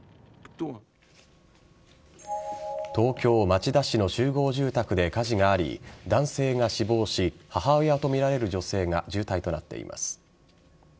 東京・町田市の集合住宅で火事があり男性が死亡し母親とみられる女性が重体となっています。